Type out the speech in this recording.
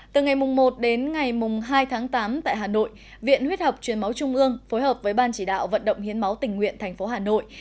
từ ngày một đến ngày hai tháng tám tại hà nội viện huyết học truyền máu trung ương phối hợp với ban chỉ đạo vận động hiến máu tình nguyện thành phố hà nội